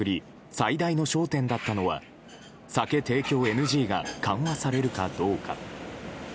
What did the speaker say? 最大の焦点だったのは酒提供ＮＧが緩和されるかどうか。